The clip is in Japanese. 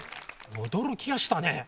驚きましたね！